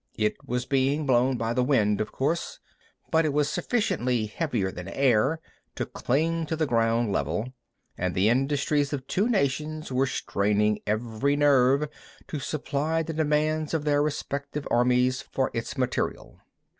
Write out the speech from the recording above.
It was being blown by the wind, of course, but it was sufficiently heavier than air to cling to the ground level, and the industries of two nations were straining every nerve to supply the demands of their respective armies for its material.